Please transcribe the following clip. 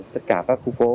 tất cả các khu phố